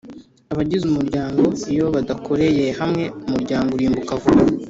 Abagize umuryango iyo badakoreye hamwe umuryango urimbuka vuba